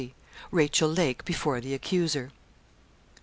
RACHEL LAKE BEFORE THE ACCUSER.